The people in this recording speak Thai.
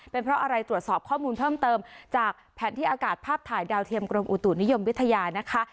เป็นเพราะอะไรตรวจสอบข้อมูลเพิ่มเติมจากแผนที่อากาศภาพถ่ายดาวเทียมกรมอุตุนิยมวิทยานะคะ